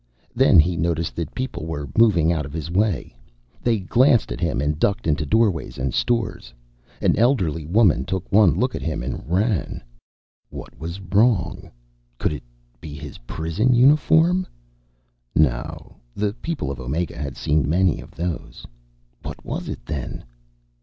Then he noticed that people were moving out of his way. They glanced at him and ducked in doorways and stores. An elderly woman took one look at him and ran. What was wrong? Could it be his prison uniform? No, the people of Omega had seen many of those. What was it, then?